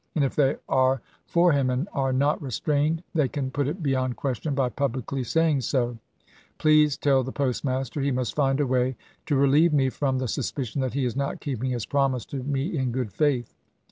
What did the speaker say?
And if they are for him and are not restrained they can put it beyond question by publicly saying so. Please tell the postmaster he must find a way to relieve me from the suspicion that he is not keeping his promise to McMichaei, me in good faith."